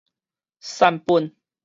散本